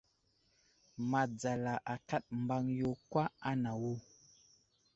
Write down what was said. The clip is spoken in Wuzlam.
Madzala akaɗ mbaŋ yo kwa anawo.